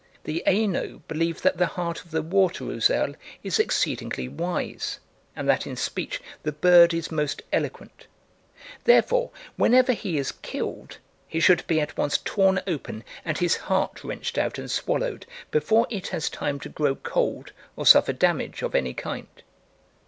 The Aino believe that the heart of the water ousel is exceedingly wise, and that in speech the bird is most eloquent. Therefore whenever he is killed, he should be at once torn open and his heart wrenched out and swallowed before it has time to grow cold or suffer damage of any kind.